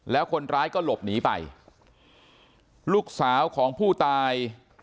แล้วคนร้ายก็หลบหนีไปลูกสาวของผู้ตาย